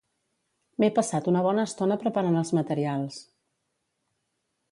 M'he passat una bona estona preparant els materials